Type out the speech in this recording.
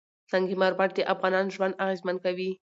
سنگ مرمر د افغانانو ژوند اغېزمن کوي.